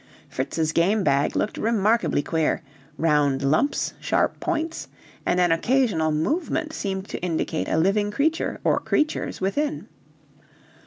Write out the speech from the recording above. Fritz's game bag looked remarkably queer round lumps, sharp points, and an occasional movement seemed to indicate a living creature or creatures within.